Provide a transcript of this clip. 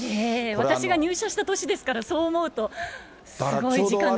私が入局した年ですから、そう思うと、すごい時間だなと。